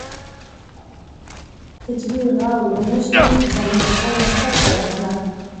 که جدي غور ونشي انساني بقا له خطر سره مخ ده.